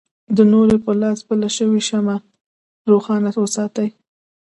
د نوري په لاس بله شوې شمعه روښانه وساتي.